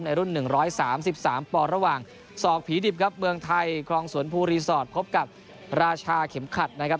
รุ่น๑๓๓ปอนดระหว่างศอกผีดิบครับเมืองไทยครองสวนภูรีสอร์ทพบกับราชาเข็มขัดนะครับ